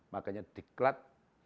makanya di kelab